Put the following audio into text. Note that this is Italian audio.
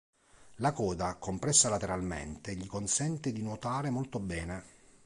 La coda, compressa lateralmente, gli consente di nuotare molto bene.